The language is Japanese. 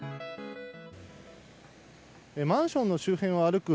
マンションの周辺を歩く